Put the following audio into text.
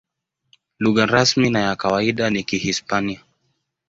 Lugha rasmi na ya kawaida ni Kihispania.